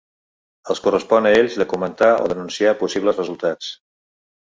Els correspon a ells de comentar o d’anunciar possibles resultats.